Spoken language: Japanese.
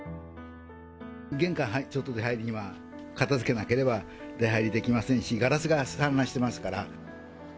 玄関、ちょっと出はいりには片づけなければ出入りできませんし、ガラスが散乱してますから。